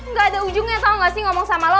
gak ada ujungnya tau gak sih ngomong sama lo